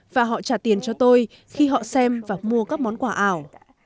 và họ trả tiền cho tôi khi họ xem và mua các món quà ảo